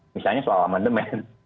misalnya soal amandemen